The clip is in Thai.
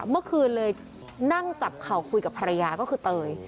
เมื่อคืนเลยนั่งจับเข่าคุยกับภรรยาก็คือเตย